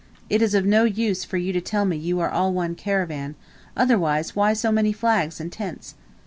It is of no use for you to tell me you are all one caravan, otherwise why so many flags and tents?